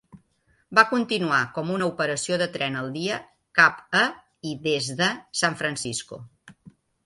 Va continuar com una operació de tren al dia cap a i des de San Francisco.